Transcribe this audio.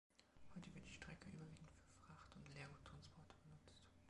Heute wird die Strecke überwiegend für Fracht- und Leerguttransporte genutzt.